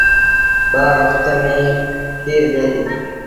ٻآ وکت ميݩهن کير ڏي دي۔